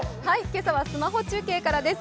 今朝はスマホ中継からです。